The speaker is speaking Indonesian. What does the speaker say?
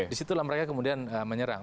disitulah mereka kemudian menyerang